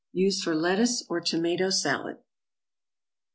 Use for lettuce or tomato salad.